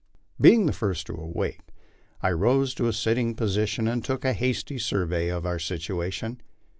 Being the first to awake, I rose to a sitting posture and took a hasty survey of our situation.